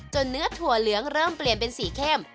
เนื้อถั่วเหลืองเริ่มเปลี่ยนเป็นสีเข้ม